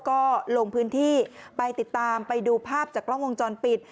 ก็ลงพื้นที่ไปติดตามไปดูภาพจากกล้องวงจรปิด